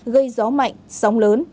gây gió mạnh sóng lớn